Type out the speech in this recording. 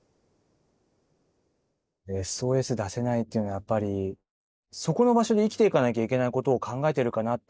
ＳＯＳ出せないっていうのはやっぱりそこの場所で生きていかなきゃいけないことを考えてるかなって